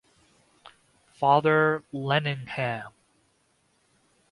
Father Lenihan.